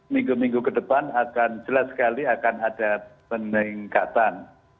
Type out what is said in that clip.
minggu minggu ke depan akan jelas sekali akan ada peningkatan